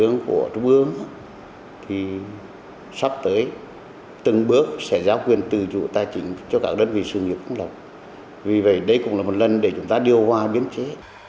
những bước sẽ giáo quyền từ chủ tài chính cho cả đất vị sự nghiệp cũng lọc vì vậy đây cũng là một lần để chúng ta điều hòa biến chế